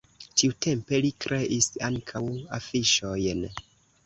Tiutempe li kreis ankaŭ afiŝojn.